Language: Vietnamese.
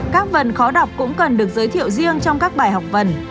các phần khó đọc cũng cần được giới thiệu riêng trong các bài học vần